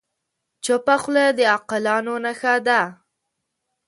چپه خوله، د عاقلو نښه ده.